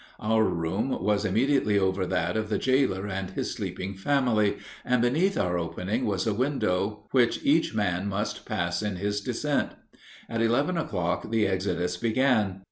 Our room was immediately over that of the jailer and his sleeping family, and beneath our opening was a window, which each man must pass in his descent. At eleven o'clock the exodus began.